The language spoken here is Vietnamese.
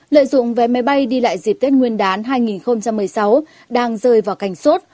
lợi dụng vé máy bay đi lại dịp tết nguyên đán hai nghìn một mươi sáu đang rơi vào cảnh sốt